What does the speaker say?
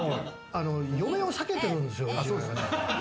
嫁を避けてるんですよ。